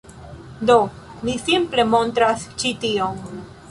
Do, mi simple montras ĉi tion